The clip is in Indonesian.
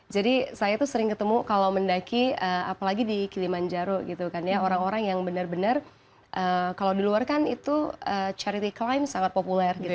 jadi saya tuh sering ketemu kalau mendaki apalagi di kilimanjaro gitu kan ya orang orang yang benar benar kalau diluar kan itu charity climb sangat populer